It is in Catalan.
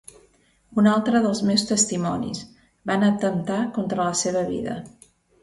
Un altre dels meus testimonis, van atemptar contra la seva vida.